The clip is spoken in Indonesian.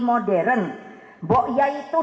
modern bok ya itu